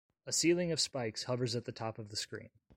A ceiling of spikes hovers at the top of the screen.